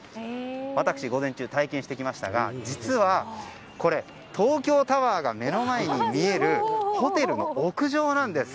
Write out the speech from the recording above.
私、午前中体験してきましたが実はこれ東京タワーが目の前に見えるホテルの屋上なんです。